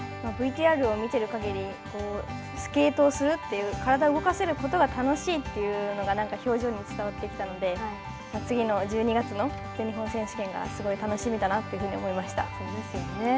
ＶＴＲを見ている限りスケートをするという体を動かせることが楽しいというのが表情に伝わってきたので次の１２月に全日本選手権がすごい楽しみだなって思いました。ですよね。